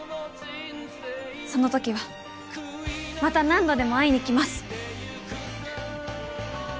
そのときはまた何度でも会いに来ます。